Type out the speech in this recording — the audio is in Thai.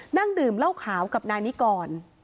นั่งดื่มเหล้าขาวกับนายนิกร